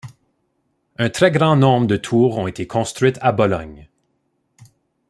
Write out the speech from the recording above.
Un très grand nombre de tours ont été construites à Bologne.